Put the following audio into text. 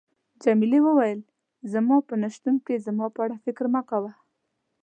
جميلې وويل: زما په نه شتون کې زما په اړه فکر مه کوه.